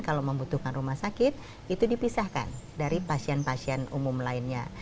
kalau membutuhkan rumah sakit itu dipisahkan dari pasien pasien umum lainnya